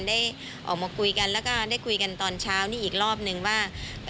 ได้ออกมาคุยกันแล้วก็ได้คุยกันตอนเช้านี้อีกรอบนึงว่า